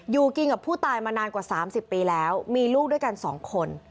อยู่กินกับผู้ตายมานานกว่า๓๐ปีแล้วมีลูกด้วยกัน๒คน